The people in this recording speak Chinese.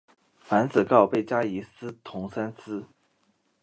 樊子鹄被加仪同三司。